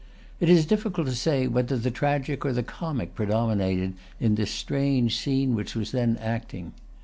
It is difficult to say whether the tragic or the comic predominated in the strange scene which was then acting.